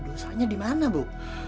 dosa nya dimana bu